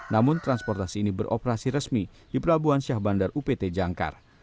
namun transportasi ini beroperasi resmi di pelabuhan syah bandar upt jangkar